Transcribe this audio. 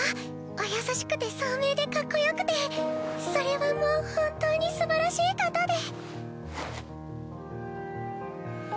お優しくて聡明でかっこよくてそれはもう本当にすばらしい方で。